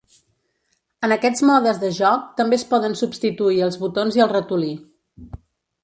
En aquests modes de joc també es poden substituir els botons i el ratolí.